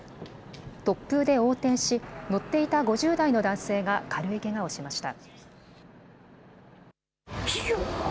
突風で横転し、乗っていた５０代の男性が軽いけがをしました。